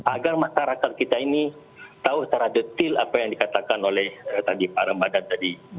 agar masyarakat kita ini tahu secara detil apa yang dikatakan oleh tadi pak ramadan tadi